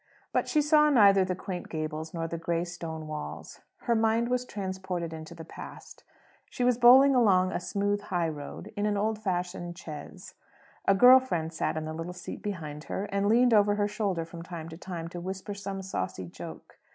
But she saw neither the quaint gables nor the gray stone walls. Her mind was transported into the past. She was bowling along a smooth highroad in an old fashioned chaise. A girl friend sat in the little seat behind her, and leaned over her shoulder from time to time to whisper some saucy joke.